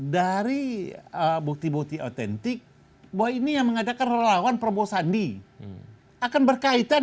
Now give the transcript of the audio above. dari bukti bukti otentik bahwa ini yang mengadakan relawan prabowo sandi akan berkaitan